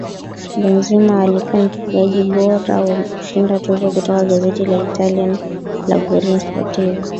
Benzema alikuwa mfungaji bora na kushinda tuzo kutoka gazeti la Italia la Guerin Sportivo